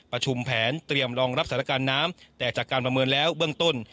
ประชุมแผนเตรียมรองรับสถานการณ์น้ำแต่จากการประเมินแล้วเบื้องต้น